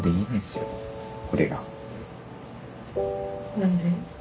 何で？